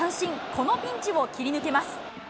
このピンチを切り抜けます。